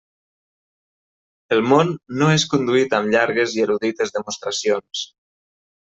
El món no és conduït amb llargues i erudites demostracions.